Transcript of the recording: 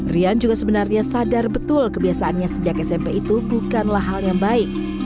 rian juga sebenarnya sadar betul kebiasaannya sejak smp itu bukanlah hal yang baik